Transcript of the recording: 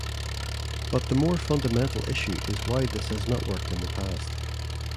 But the more fundamental issue is why this has not worked in the past.